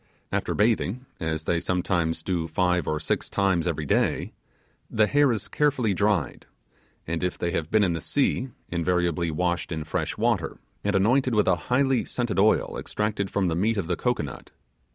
After bathing, as they sometimes do five or six times every day, the hair is carefully dried, and if they have been in the sea, invariably washed in fresh water, and anointed with a highly scented oil extracted from the meat of the cocoanut.